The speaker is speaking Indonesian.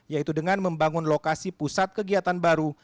yaitu dengan membangun lokasi pusat kegiatan baru